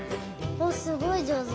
あっすごいじょうず。